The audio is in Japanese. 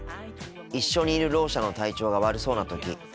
一緒にいるろう者の体調が悪そうな時